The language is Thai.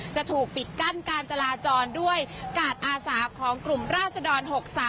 จะถูกปิดกั้นการจราจรด้วยกาดอาสาของกลุ่มราศดร๖๓